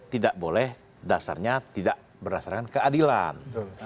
tidak boleh dasarnya tidak berdasarkan keadilan